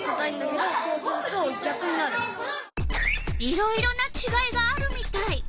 いろいろなちがいがあるみたい。